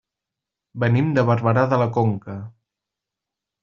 Venim de Barberà de la Conca.